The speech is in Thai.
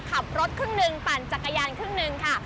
ขับรถเครื่องนึงปั่นจักรยานเครื่องนึงค่ะ